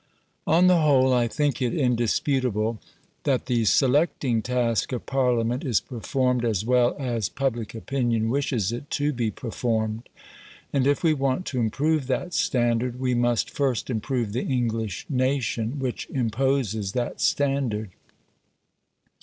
On the whole, I think it indisputable that the selecting task of Parliament is performed as well as public opinion wishes it to be performed; and if we want to improve that standard, we must first improve the English nation, which imposes that standard.